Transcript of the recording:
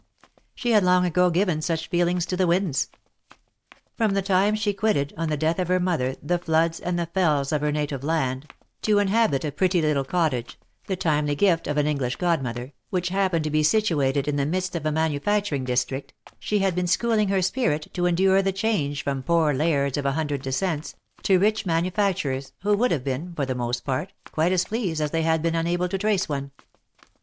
She had long ago given such feelings to the winds. From the time she quitted, on the death of her mother, the floods and the fells of her native land, to inhabit a pretty little cottage (the timely gift of an English godmother), which happened to be situated in the midst of a manufacturing district, she had been schooling her spirit to en dure the change from poor lairds of a hundred descents, to rich ma nufacturers, who would have been, for the most part, quite as pleased had they been unable to trace one.